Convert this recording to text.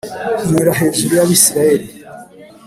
inyura hejuru y’abisiraheli,